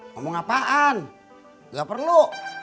ngomong apaan gak perlu